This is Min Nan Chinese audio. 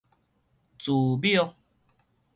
慈母